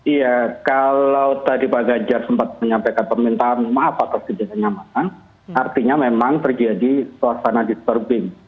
iya kalau tadi pak ganjar sempat menyampaikan permintaan maaf atas ketidaknyamanan artinya memang terjadi suasana disperbing